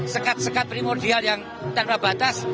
sekat sekat primordial yang tanpa batas